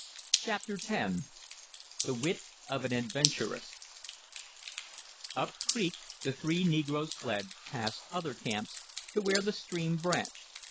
CHAPTER X THE WIT OF AN ADVENTURESS Up creek the three negroes fled, past other camps, to where the stream branched.